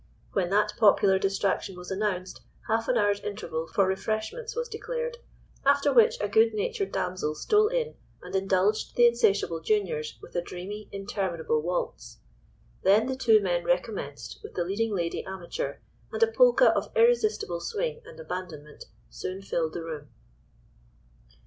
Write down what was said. When that popular distraction was announced half an hour's interval for refreshments was declared, after which a good natured damsel stole in, and indulged the insatiable juniors with a dreamy, interminable waltz. Then the two men recommenced with the leading lady amateur, and a polka of irresistible swing and abandonment soon filled the room.